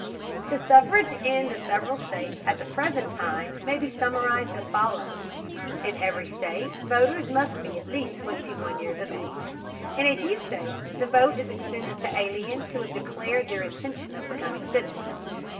The suffrage in the several states at the present time may be summarized as follows: In every state voters must be at least 21 years of age. In a few states the vote is extended to aliens who have declared their intention of becoming citizens.